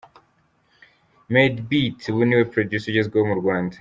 Madebeat, ubu ni we producer ugezweho mu Rwanda.